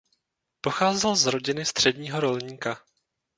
Pocházel z rodiny středního rolníka.